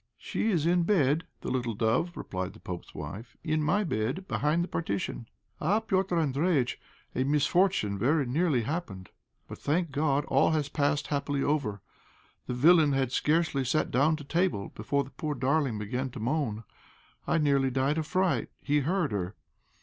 "She is in bed, the little dove," replied the pope's wife, "in my bed, behind the partition. Ah! Petr' Andréjïtch, a misfortune very nearly happened. But, thank God, all has passed happily over. The villain had scarcely sat down to table before the poor darling began to moan. I nearly died of fright. He heard her."